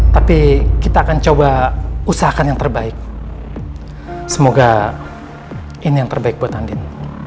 tapi kita akan coba usahakan yang terbaik semoga ini yang terbaik buat andin